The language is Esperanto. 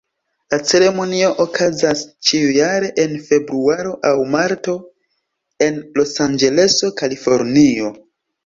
La ceremonio okazas ĉiujare en februaro aŭ marto, en Losanĝeleso, Kalifornio.